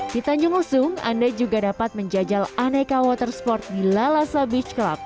di tanjung usung anda juga dapat menjajal aneka water sport di lalasa beach club